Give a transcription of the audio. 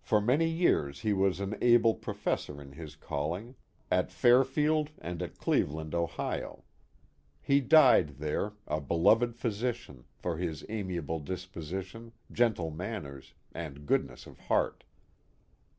For many years he was an able professor in his calling, at Fairfield and 4oS The Mohawk Valley at Cleveland. Ohio, He died there, a "beloved physician," for his amiable disposition, gentle manners, and goodness of heart.